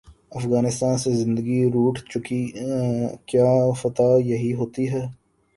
افغانستان سے زندگی روٹھ چکی کیا فتح یہی ہو تی ہے؟